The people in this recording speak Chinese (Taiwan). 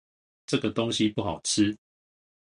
這個東西不好吃